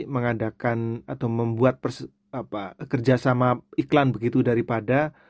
mengadakan atau membuat kerjasama iklan begitu daripada